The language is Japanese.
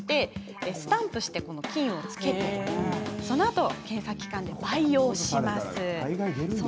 スタンプして菌をつけそのあと検査機関で培養します。